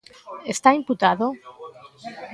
Está imputado?